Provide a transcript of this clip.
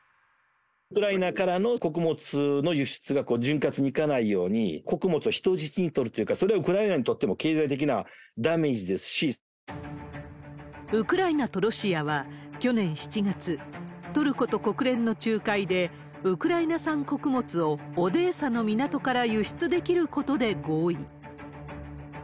ウクライナからの穀物の輸出が潤滑にいかないように、穀物を人質に取るというか、それはウクライナにとっても経済的なダメーウクライナとロシアは、去年７月、トルコと国連の仲介で、ウクライナ産穀物をオデーサの港から輸出できることで合意。